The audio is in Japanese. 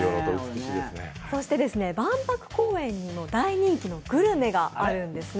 万博公園にも大人気のグルメがあるんですね。